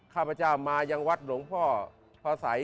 ข้าพเจ้ามายังวัดหลวงพ่อพระสัย